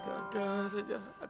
aduh agak saja